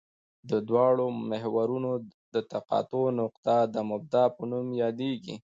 د دواړو محورونو د تقاطع نقطه د مبدا په نوم یادیږي